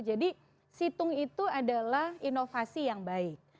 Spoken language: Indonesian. jadi situng itu adalah inovasi yang baik